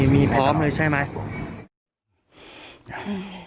มีพร้อมเลยใช่ไหม